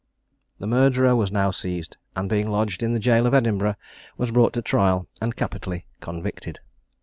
The murderer was now seized, and being lodged in the jail of Edinburgh, was brought to trial and capitally convicted.